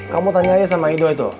kamu tanya aja sama ido itu